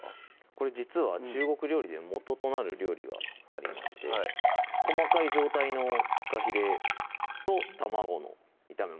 これ実は中国料理でもととなる料理がありまして細かい状態のふかひれと卵の炒めもの